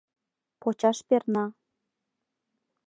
Почаш перна.